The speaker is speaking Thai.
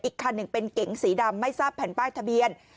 คันหนึ่งเป็นเก๋งสีดำไม่ทราบแผ่นป้ายทะเบียน